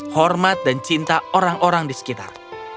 hormat dan cinta orang orang di sekitar